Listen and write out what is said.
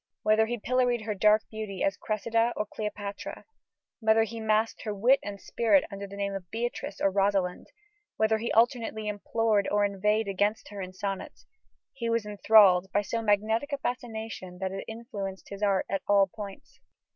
Whether he pilloried her dark beauty as Cressida or Cleopatra whether he masked her wit and spirit under the name of Beatrice or Rosalind whether he alternately implored or inveighed against her in the Sonnets he was enthralled by so magnetic a fascination that it influenced his art at all points.